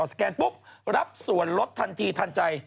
สแกนปุ๊บรับส่วนลดทันทีทันใจ